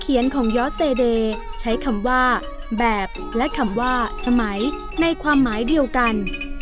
ของยอสเซเดย์ใช้คำว่าแบบและคำว่าสมัยในความหมายเดียวกัน